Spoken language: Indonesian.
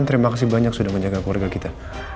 terima kasih banyak sudah menjaga keluarga kita